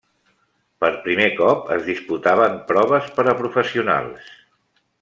Per primer cop es disputaven proves per a professionals.